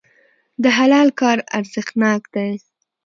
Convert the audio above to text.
د حلال کار ارزښتناک دی.